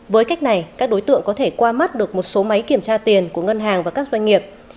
với cách này các đối tượng có thể qua mắt được một số máy kiểm tra tiền của ngân hàng và các doanh nghiệp